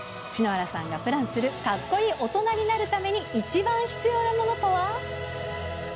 篠原さんがプランするかっこいい大人になるために一番必要なものとは？